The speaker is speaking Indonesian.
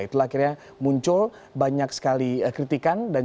itulah akhirnya muncul banyak sekali kritikan